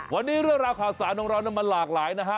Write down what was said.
วันนี้เรื่องราวข่าวสารของเรามันหลากหลายนะฮะ